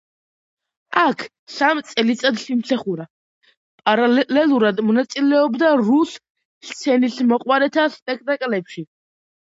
აქ სამ წელიწადს იმსახურა, პარალელურად მონაწილეობდა რუს სცენისმოყვარეთა სპექტაკლებში.